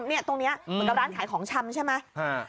ตรงนี้เหมือนกับร้านขายของชำใช่ไหม